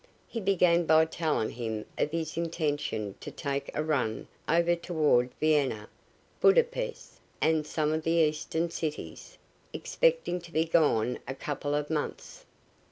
He began by telling him of his intention to take a run over toward Vienna, Buda Pesth and some of the Eastern cities, expecting to be gone a couple of months.